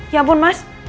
mas kau bangun mas